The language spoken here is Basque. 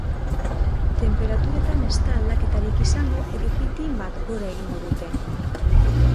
Tenperaturetan ez da aldaketarik izango edo pittin bat gora egingo dute.